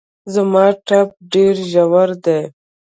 زما ټپ ډېر ژور دی